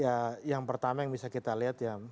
ya yang pertama yang bisa kita lihat ya